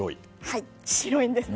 白いんですね。